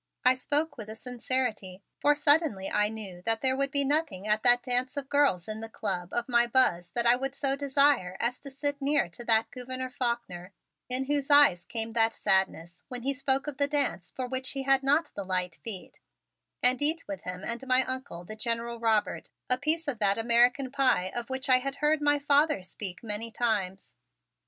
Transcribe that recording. I spoke with a sincerity, for suddenly I knew that there would be nothing at that dance of girls in the club of my Buzz that I would so desire as to sit near to that Gouverneur Faulkner, in whose eyes came that sadness when he spoke of the dance for which he had not the light feet, and eat with him and my Uncle, the General Robert, a piece of that American pie of which I had heard my father speak many times.